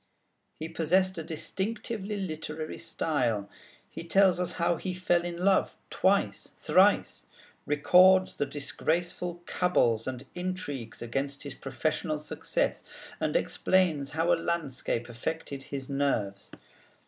He possessed a distinctively literary style. He tells us how he fell in love twice, thrice; records the disgraceful cabals and intrigues against his professional success, and explains how a landscape affected his nerves.